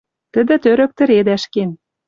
Тӹдӹ тӧрӧк тӹредӓш кен.